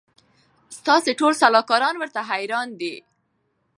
ستاسي ټول سلاکاران ورته حیران دي